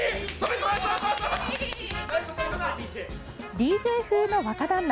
ＤＪ風の若旦那。